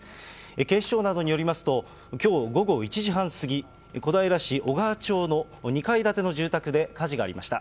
警視庁などによりますと、きょう午後１時半過ぎ、小平市おがわ町の２階建ての住宅で火事がありました。